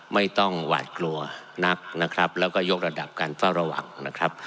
ไม่ต้องหวาดกลัวนักนะครับแล้วก็ยกระดับการเฝ้าระวังนะครับ